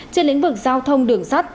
trên lĩnh vực giao thông đường sắt